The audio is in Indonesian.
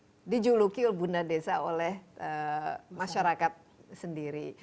bunda desa ini dijuluki bunda desa oleh masyarakat sendiri